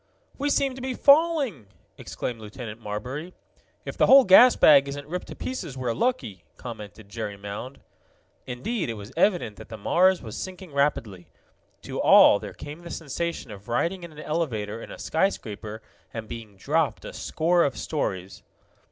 "We seem to be falling!" exclaimed Lieutenant Marbury. "If the whole gas bag isn't ripped to pieces we're lucky," commented Jerry Mound. Indeed, it was evident that the Mars was sinking rapidly. To all there came the sensation of riding in an elevator in a skyscraper and being dropped a score of stories.